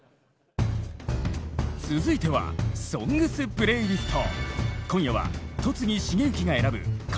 続いては「ＳＯＮＧＳプレイリスト」。